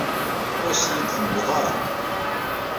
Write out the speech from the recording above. Ur as-ten-id-temliḍ ara.